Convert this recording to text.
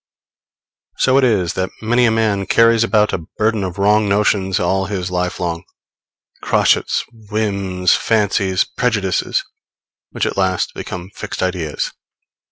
So it is that many a man carries about a burden of wrong notions all his life long crotchets, whims, fancies, prejudices, which at last become fixed ideas.